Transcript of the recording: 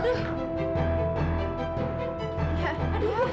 jadi aja naiklah rob